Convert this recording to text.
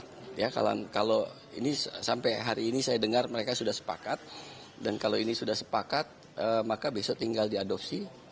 kalau ini sampai hari ini saya dengar mereka sudah sepakat dan kalau ini sudah sepakat maka besok tinggal diadopsi